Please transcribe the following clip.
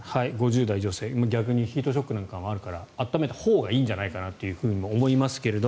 ５０代の女性逆にヒートショックなんかもあるから温めたほうがいいんじゃないかとも思いますが。